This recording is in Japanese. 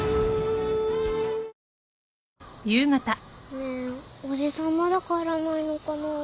ねえおじさんまだ帰らないのかな？